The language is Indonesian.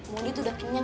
mondi tuh udah kenyang